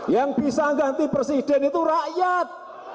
yang bisa ganti presiden itu rakyat